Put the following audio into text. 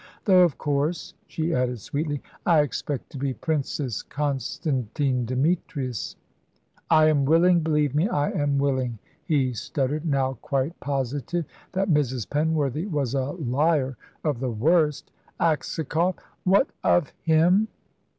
Though of course," she added sweetly, "I expect to be Princess Constantine Demetrius." "I am willing believe me, I am willing," he stuttered, now quite positive that Mrs. Penworthy was a liar of the worst. "Aksakoff " "What of him?"